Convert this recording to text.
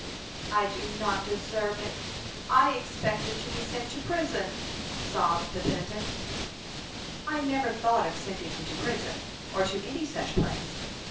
"I do not deserve it. I expected to be sent to prison," sobbed the penitent. "I never thought of sending you to prison, or to any such place.